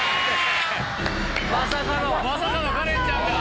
まさかの。